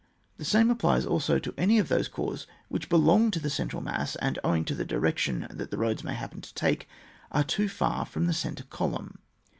The same applies also to any of those corps which belong to the central mass, and owing to the direction that the roads may happen to take, are too far from the centre column.